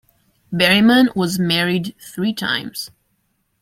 Berryman was married three times.